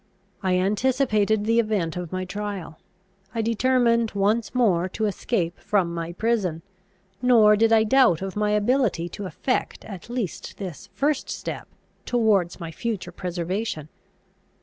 I anticipated the event of my trial. I determined once more to escape from my prison; nor did I doubt of my ability to effect at least this first step towards my future preservation.